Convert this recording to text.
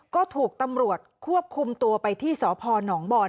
ก็ถูกตำรวจควบคุมตัวไปที่สพนบอน